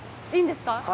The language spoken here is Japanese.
いいんですか？